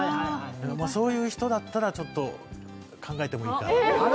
そういう人だったらちょっと考えてもいいかなって。